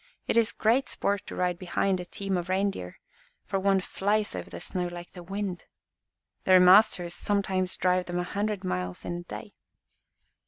It is great sport to ride behind a team of reindeer, for one flies over the snow like the wind. Their masters sometimes drive them a hundred miles in a day."